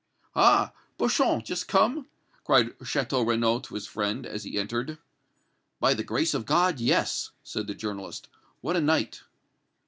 "Ha! Beauchamp, just come?" cried Château Renaud to his friend, as he entered. "By the grace of God, yes!" said the journalist. "What a night!"